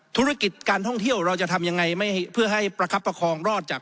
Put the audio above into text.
ธุรกิจการท่องเที่ยวเราจะทำยังไงไม่เพื่อให้ประคับประคองรอดจาก